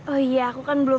oh iya aku kan belum